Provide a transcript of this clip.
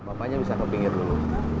bapaknya bisa ke pinggir dulu